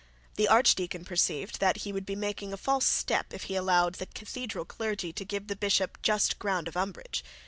The archdeacon perceived that he would be making a false step if he allowed the cathedral clergy to give the bishop just ground of umbrage.